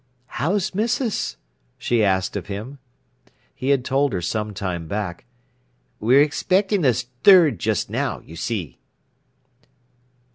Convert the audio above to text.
"How's missis?" she asked of him. He had told her some time back: "We're expectin' us third just now, you see."